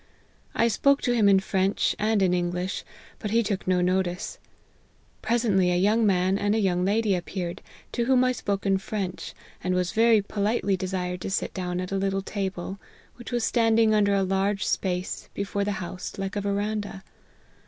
I spoke to him in French and in English, but he took no notice. Presently a young man and a young lady appeared, to whom I spoke in French, and was very politely desired to sit down at a little table, which was standing under a large space before the house like a veranda.